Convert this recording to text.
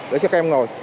để cho các em ngồi